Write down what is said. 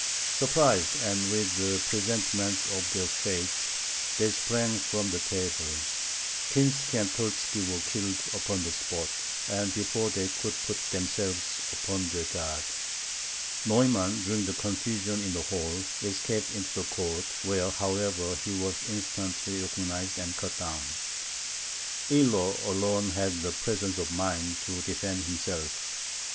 Surprised, and with a presentiment of their fate, they sprang from the table. Kinsky and Terzky were killed upon the spot, and before they could put themselves upon their guard. Neumann, during the confusion in the hall, escaped into the court, where, however, he was instantly recognised and cut down. Illo alone had the presence of mind to defend himself.